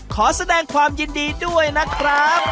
ขอแสดงความยินดีด้วยนะครับ